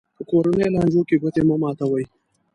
په کورنیو لانجو کې ګوتې مه ماتوي.